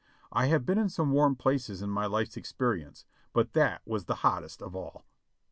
I have been in some warm places in my life's experience, but that was the hottest of all.